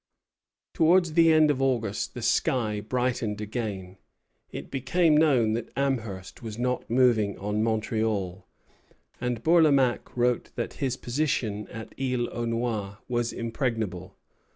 Towards the end of August the sky brightened again. It became known that Amherst was not moving on Montreal, and Bourlamaque wrote that his position at Isle aux Noix was impregnable.